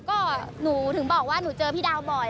ก็หนูถึงบอกว่าหนูเจอพี่ดาวบ่อย